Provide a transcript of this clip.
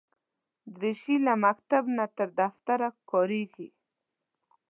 دریشي له مکتب نه تر دفتره کارېږي.